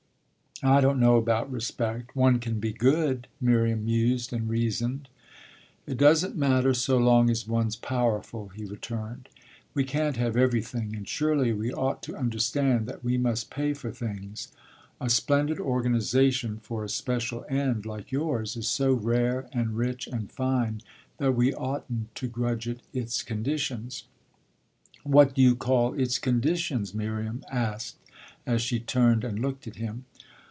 "I don't know about respect. One can be good," Miriam mused and reasoned. "It doesn't matter so long as one's powerful," he returned. "We can't have everything, and surely we ought to understand that we must pay for things. A splendid organisation for a special end, like yours, is so rare and rich and fine that we oughtn't to grudge it its conditions." "What do you call its conditions?" Miriam asked as she turned and looked at him.